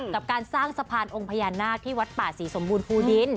กับการสร้างสะพานองค์พญานาคที่วัดป่าศรีสมบูรณภูดิน